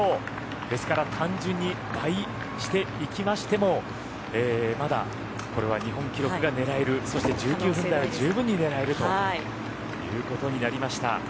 ですから単純に倍していきましてもまだこれは日本記録が狙えるそして１９分台を十分に狙えるということになりました。